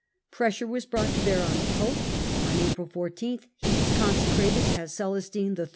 Pressure was brought to bear on the Pope : on April 14 he was consecrated as Celestine III.